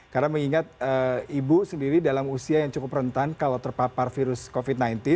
karena mengingat ibu sendiri dalam usia yang cukup rentan kalau terpapar virus covid sembilan belas